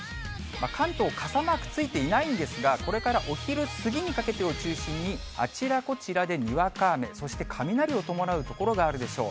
関東、傘マークついていないんですが、これからお昼過ぎにかけてを中心に、あちらこちらでにわか雨、そして雷を伴う所があるでしょう。